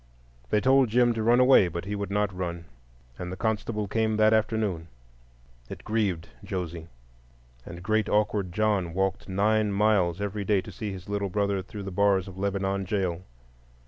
They told Jim to run away; but he would not run, and the constable came that afternoon. It grieved Josie, and great awkward John walked nine miles every day to see his little brother through the bars of Lebanon jail.